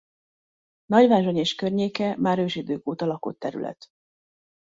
Nagyvázsony és környéke már ősidők óta lakott terület.